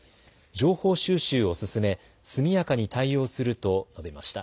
情報収集を進め速やかに対応すると述べました。